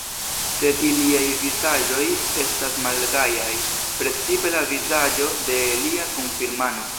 Sed iliaj vizaĝoj estas malgajaj, precipe la vizaĝo de lia kunfirmano.